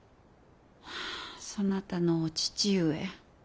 そなたのお父上。